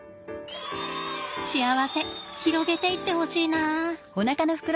幸せ広げていってほしいな。